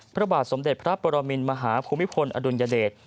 พระบาทสมเด็จพระปรมินมหาภูมิพลอดุลยเดช